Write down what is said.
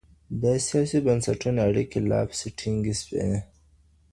د سياسي بنسټونو اړيکي لا پسې ټينګي سوې.